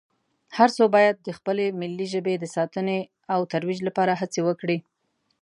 هر څو باید د خپلې ملي ژبې د ساتنې او ترویج لپاره هڅې وکړي